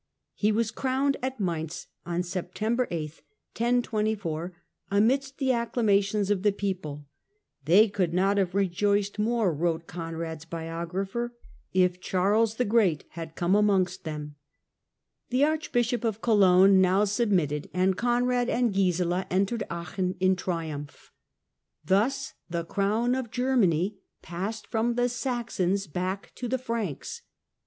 He was crowned at Mainz on September 8, 1024, amidst the acclamations of the people. "They could not have rejoiced more," wrote Conrad's biographer, "if Charles the Great had come TRANSFERENCE FROM SAXONS TO SALIANS 29 amongst them." The Arclibishop of Cologne now sub mitted, and Conrad and Gisela entered Aachen in triumph, Thus the crown of Germany passed from the Saxons back to the Franks.